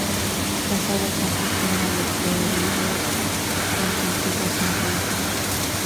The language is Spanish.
Casado con Cristina Letelier, con quien tuvo cinco hijos.